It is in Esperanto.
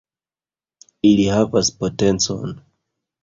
Ili havas potencon.